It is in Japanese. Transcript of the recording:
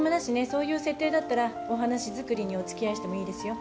そういう設定だったらお話作りにお付き合いしてもいいですよ。